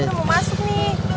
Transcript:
gue mau masuk nih